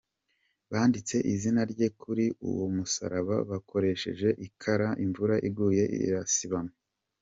Banditse izina rye kuri uwo musaraba bakoresheje ikara, imvura iguye rirasibama.